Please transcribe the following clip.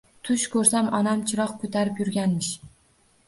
Tush ko‘rsam, onam chiroq ko‘tarib yurganmish.